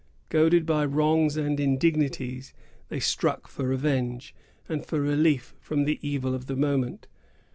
Goaded by wrongs and indignities, they struck for revenge, and for relief from the evil of the moment.